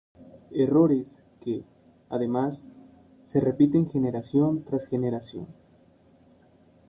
Errores que, además, se repiten generación tras generación.